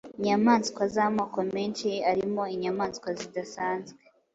inyamaswa z’ amoko menshi arimo inyamaswa zidasanzwe